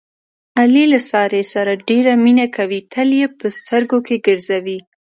علي له سارې سره ډېره مینه کوي، تل یې په سترګو کې ګرځوي.